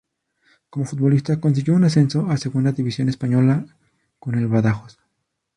Como futbolista consiguió un ascenso a Segunda división española con el Badajoz.